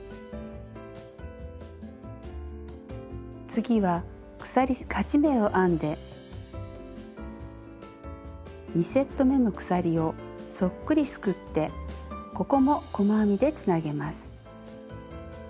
次は鎖８目を編んで２セットめの鎖をそっくりすくってここも細編みでつなげます。